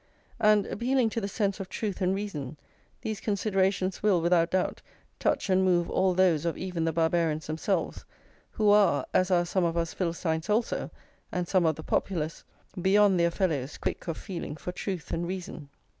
And appealing to the sense of truth and reason, these considerations will, without doubt, touch and move all those of even the Barbarians themselves, who are (as are some of us Philistines also, and some of the Populace) beyond their fellows quick of feeling for truth and reason.